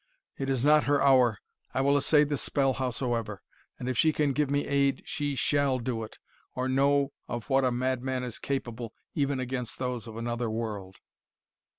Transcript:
It is not her hour I will essay the spell howsoever; and if she can give me aid, she shall do it, or know of what a madman is capable even against those of another world!"